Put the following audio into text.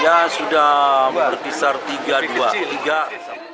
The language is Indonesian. ya sudah berpisah tiga dua tiga